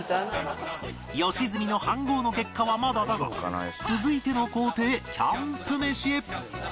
良純の飯ごうの結果はまだだが続いての工程キャンプ飯へ